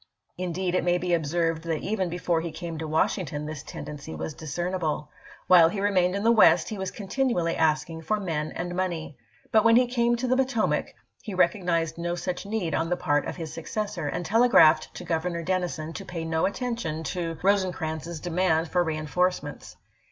Indeed, it may be observed that even before he came to Washington this tendency was discernible. While he remained in the West he was continually asking for men and money. But when he came to the Potomac he recognized no such need on the part of his successor, and telegraphed to Governor Denni son to pay no attention to Rosecrans's demand for reenforcements.